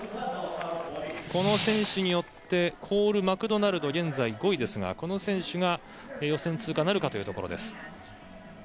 この選手によってコール・マクドナルドは現在４位ですがこの選手が予選通過なるかというところです。